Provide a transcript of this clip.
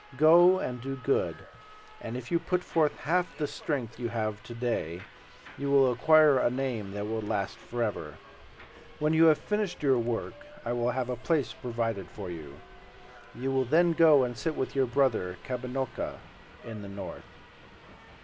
Go and do good, and if you put forth half the strength you have to day, you will acquire a name that will last forever. When you have finished your work I will have a place provided for you. You will then go and sit with your brother, Kabinocca, in the north."